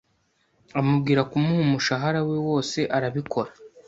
Amubwira kumuha umushahara we wose arabikora.